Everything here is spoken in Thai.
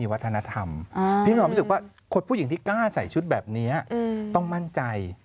พี่หนูความรู้สึกว่าคนผู้หญิงที่กล้าใส่ชุดแบบนี้ต้องมั่นใจ